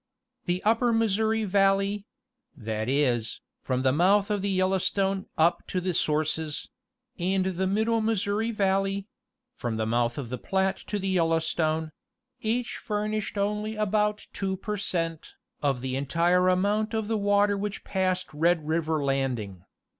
The upper Missouri valley (that is, from the mouth of the Yellowstone up to the sources), and the middle Missouri valley (from the mouth of the Platte to the Yellowstone), each furnished only about 2 per cent. of the entire amount of the water which passed Red River Landing.